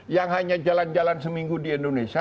yang hanya jalan jalan seminggu di indonesia